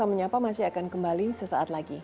menyapa masih akan kembali sesaat lagi